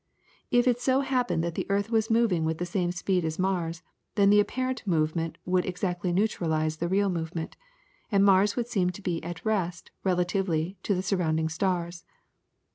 If it so happened that the earth was moving with the same speed as Mars, then the apparent movement would exactly neutralise the real movement, and Mars would seem to be at rest relatively to the surrounding stars.